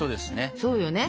そうよね。